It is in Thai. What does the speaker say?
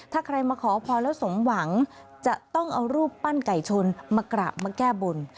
ถ้าใครมาขอพรแล้วสมหวังจะต้องเอารูปปั้นไก่ชนมากราบมาแก้บน